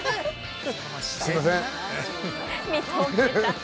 すいません。